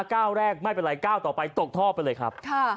ก้าวแรกไม่เป็นไรก้าวต่อไปตกท่อไปเลยครับ